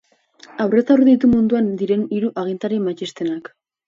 Aurrez aurre ditu munduan diren hiru agintari matxistenak.